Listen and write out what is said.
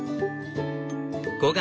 ５月。